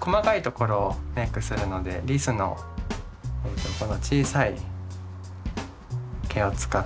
細かいところをメークするのでリスのこの小さい毛を使ってます。